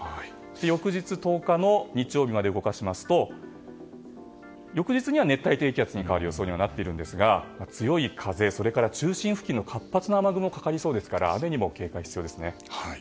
翌日１０日の日曜日まで動かしますと翌日には熱帯低気圧に変わる予想ですが強い風それから中心付近の活発な雨雲がかかりそうですから雨にも警戒が必要ですね。